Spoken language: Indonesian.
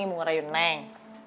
mau ngerayu neng